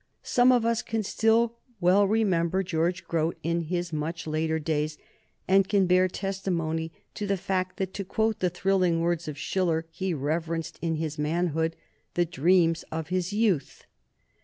Some of us can still well remember George Grote in his much later days, and can bear testimony to the fact that, to quote the thrilling words of Schiller, he reverenced in his manhood the dreams of his youth.